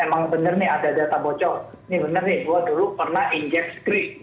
emang bener nih ada data bocor ini bener nih gue dulu pernah engage screak